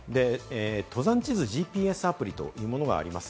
登山地図ＧＰＳアプリというものがあります。